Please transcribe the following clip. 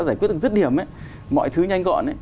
giải quyết được rất điểm mọi thứ nhanh gọn